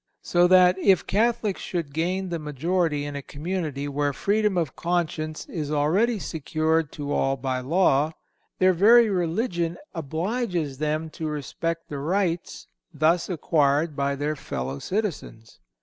So that if Catholics should gain the majority in a community where freedom of conscience is already secured to all by law, their very religion obliges them to respect the rights thus acquired by their fellow citizens.